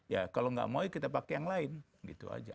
ya kalau nggak mau ya kita pakai yang lain gitu aja